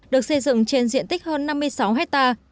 được xây dựng trên diện tích hơn năm mươi sáu hectare